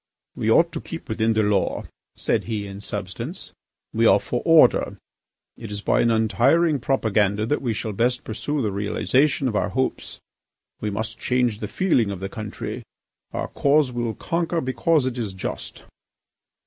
"We ought to keep within the law," said he in substance. "We are for order. It is by an untiring propaganda that we shall best pursue the realisation of our hopes. We must change the feeling of the country. Our cause will conquer because it is just."